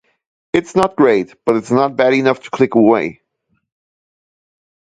It's not great but it's not bad enough to click away.